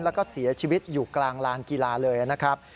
แล้วก็เสียชีวิตอยู่กลางลานกีฬาเลยนะครับ